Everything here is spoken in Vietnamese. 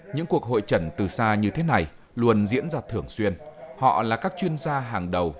những cuộc hội trần từ xa như thế này luôn diễn ra thường xuyên họ là các chuyên gia hàng đầu